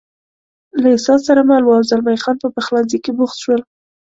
له احساس سره مل و، او زلمی خان په پخلنځي کې بوخت شول.